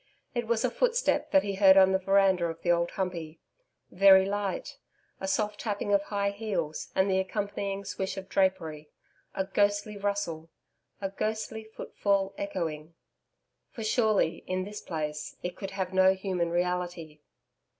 It was a footstep that he heard on the veranda of the Old Humpey very light, a soft tapping of high heels and the accompanying swish of drapery a ghostly rustle 'a ghostly footfall echoing.'... For surely in this place it could have no human reality.